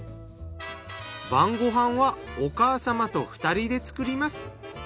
晩ご飯はお母様と２人で作ります。